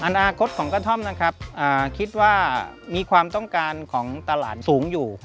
อนาคตของกระท่อมนะครับคิดว่ามีความต้องการของตลาดสูงอยู่